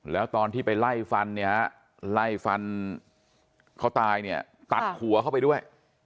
แล้วตอนที่ไปไล่ฟันเนี่ยฮะไล่ฟันเขาตายเนี่ยตัดหัวเข้าไปด้วย